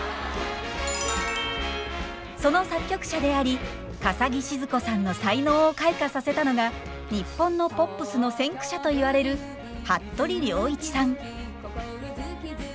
その作曲者であり笠置シヅ子さんの才能を開花させたのが日本のポップスの先駆者といわれる服部良一さん。